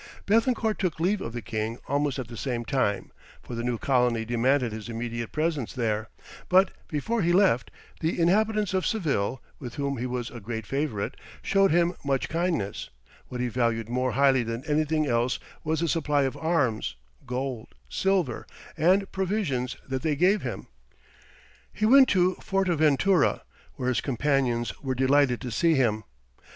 Béthencourt took leave of the king almost at the same time, for the new colony demanded his immediate presence there; but before he left, the inhabitants of Seville, with whom he was a great favourite, showed him much kindness; what he valued more highly than anything else was the supply of arms, gold, silver, and provisions that they gave him. He went to Fortaventura, where his companions were delighted to see him.